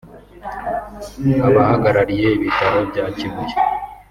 abahagarariye Ibitaro bya Kibuye